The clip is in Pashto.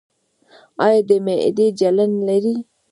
ایا د معدې جلن لرئ؟